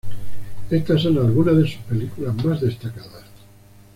Estas son algunas de sus películas más destacadas.